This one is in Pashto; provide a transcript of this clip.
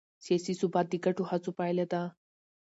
سیاسي ثبات د ګډو هڅو پایله ده